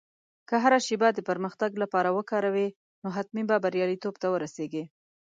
که هره شېبه د پرمختګ لپاره وکاروې، نو حتمي به بریالیتوب ته ورسېږې.